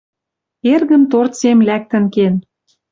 Эргӹм торцем лӓктӹн кен...